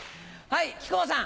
はい。